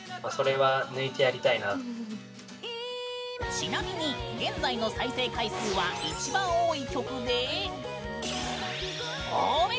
ちなみに現在の再生回数は一番多い曲で。